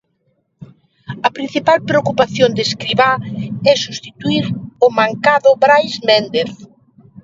A principal preocupación de Escribá é substituír ao mancado Brais Méndez.